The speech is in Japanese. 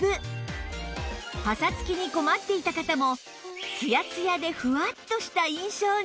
パサつきに困っていた方もツヤツヤでフワッとした印象に